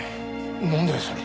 なんだよそれ。